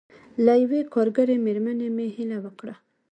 له یوې کارګرې مېرمنې مې هیله وکړه.